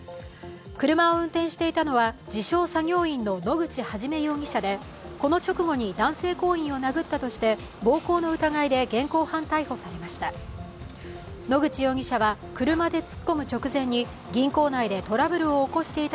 車を運転していたのは、自称・作業員の野口一容疑者でこの直後に男性行員を殴ったとして暴行の疑いで現行犯逮捕されました。